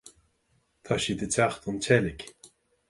tá siad ag teacht ón tseilg